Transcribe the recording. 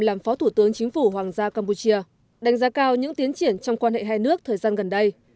làm phó thủ tướng chính phủ hoàng gia campuchia đánh giá cao những tiến triển trong quan hệ hai nước thời gian gần đây